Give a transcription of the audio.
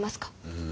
うん。